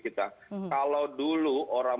kita kalau dulu orang